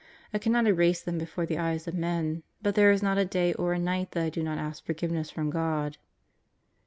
I cannot erase them before the eyes of men, but there is not a day or a night that I do not ask forgiveness from God.